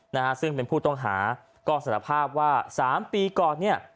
นะฮะซึ่งเป็นผู้ต้องหาก็สารภาพว่าสามปีก่อนเนี่ย